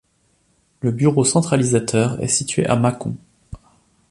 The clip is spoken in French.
Le bureau centralisateur est situé à Mâcon.